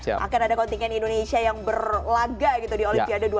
akan ada kontingen indonesia yang berlaga gitu di olimpiade dua ribu dua puluh